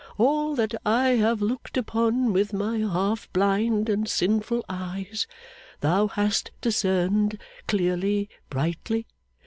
All that I have looked upon, with my half blind and sinful eyes, Thou hast discerned clearly, brightly.